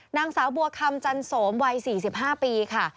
นางสาวบัวคำจันโสมวัย๔๕ปีค่ะ